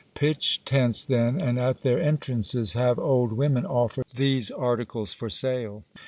Pitch tents, then, and at their entrances have old women offer these articles for sale.